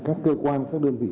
các cơ quan các đơn vị